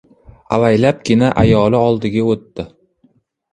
Avaylabgina ayoli oldiga o‘tdi.